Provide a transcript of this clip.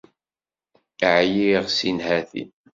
Ɛyiɣ si nnhati.